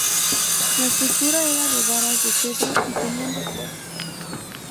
La estructura era de varas de cedro y tenían dos puertas.